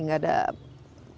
nggak ada masalah